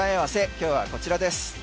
今日はこちらです。